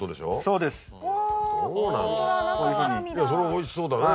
おいしそうだね。